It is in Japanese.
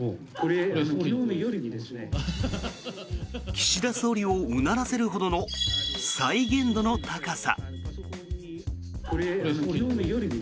岸田総理をうならせるほどの再現度の高さ。